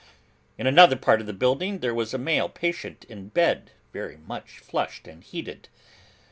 In another part of the building, there was a male patient in bed; very much flushed and heated.